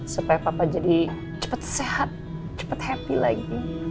supaya papa jadi cepet sehat cepet happy lagi